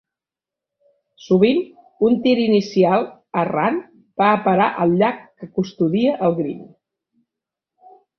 Sovint, un tir inicial errant va a parar al llac que custodia el green.